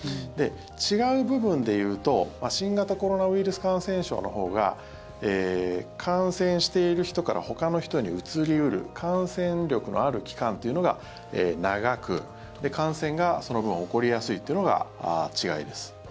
違う部分でいうと新型コロナウイルス感染症のほうが感染している人からほかの人にうつり得る感染力のある期間というのが長く感染がその分、起こりやすいというのが違いです。